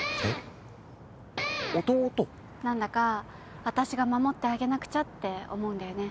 何だか私が守ってあげなくちゃって思うんだよね。